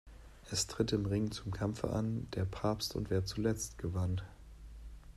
Es tritt im Ring zum Kampfe an: Der Papst und wer zuletzt gewann.